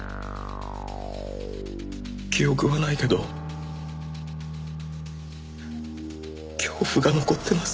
記憶はないけど恐怖が残ってます。